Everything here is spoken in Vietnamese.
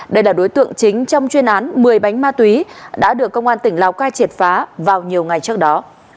đây là đối tượng chính trong chuyên án một mươi bánh ma túy đã được công an tỉnh lào cai triệt phá vào nhiều ngày trước đó